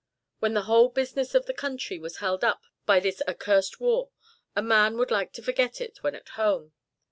When the whole business of the country was held up by this accursed war, a man would like to forget it when at home.